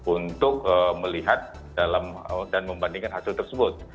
untuk melihat dan membandingkan hasil tersebut